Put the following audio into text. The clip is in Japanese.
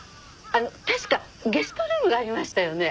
あの確かゲストルームがありましたよね？